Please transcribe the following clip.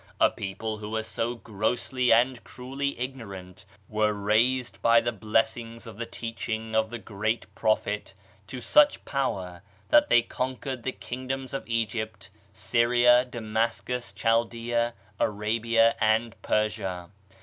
A people who were so grossly and cruelly ignorant were raised by the blessings of the teaching of the great Prophet to such power that they conquered the kingdoms of Egypt, Syria, Damascus, Chaldea, Arabia and Persia.